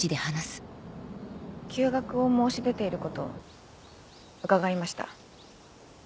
休学を申し出ていること伺いました。